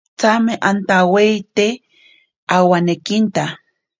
Tsame antawaite awanekinta.